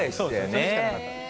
それしかなかったです。